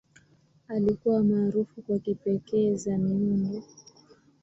Alikuwa maarufu kwa kipekee za miundo.